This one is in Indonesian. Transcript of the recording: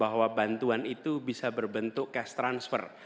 bahwa bantuan itu bisa berbentuk cash transfer